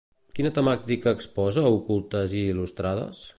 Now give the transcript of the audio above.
Quina temàtica exposa Ocultes i il·lustrades?